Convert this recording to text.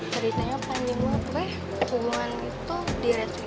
ceritanya panjang banget deh